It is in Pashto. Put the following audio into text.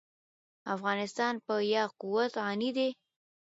افغانستان په یاقوت غني دی.